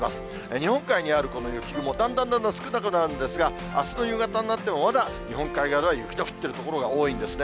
日本海にあるこの雪雲、だんだんだんだん少なくなるんですが、あすの夕方になっても、まだ日本海側では雪の降ってる所が多いんですね。